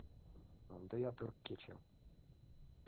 Ынде ятыр кечым